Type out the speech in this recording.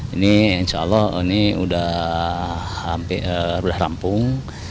ini insya allah ini udah hampir udah rampung